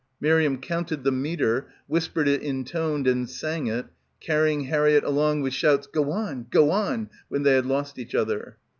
Miriam counted the metre, whispered it intoned and sang it, carrying Harriett along with shouts "go on, go on" when they had lost each other.